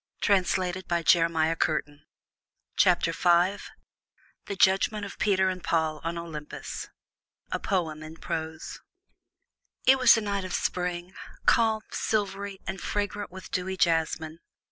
THE JUDGMENT OF PETER AND PAUL ON OLYMPUS V THE JUDGMENT OF PETER AND PAUL ON OLYMPUS A POEM IN PROSE It was a night of spring, calm, silvery, and fragrant with dewy jasmine.